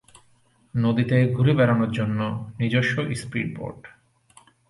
নদীতে ঘুরে বেড়ানোর জন্য নিজস্ব স্প্রিডবোট।